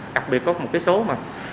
đặc biệt có một cái số mà